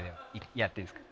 やっていいですか。